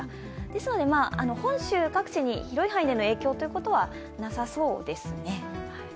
ですので本州各地に広い範囲での影響はなさそうですね。